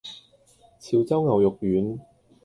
潮州牛肉丸